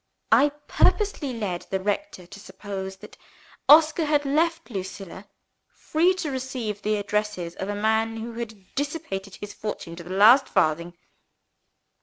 I purposely led the rector to suppose that Oscar had left Lucilla free to receive the addresses of a man who had dissipated his fortune to the last farthing.